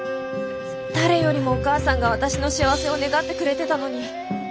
誰よりもお母さんが私の幸せを願ってくれてたのに。